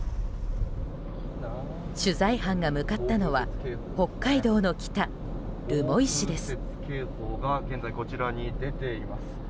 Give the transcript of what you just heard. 取材班が向かったのは北海道の北、留萌市です。